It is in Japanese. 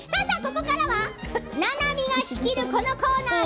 ここからはななみが仕切るこのコーナー。